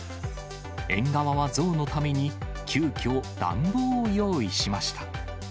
園側は象のために、急きょ、暖房を用意しました。